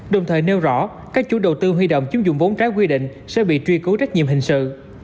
đồng thời nêu rõ các chủ đầu tư huy động chiếm dụng vốn trái quy định sẽ bị truy cứu trách nhiệm hình sự